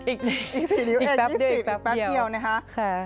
อีก๔นิ้วเอง๒๐ปีอีกแป๊บเดียวนะคะค่ะอีกแป๊บเดียว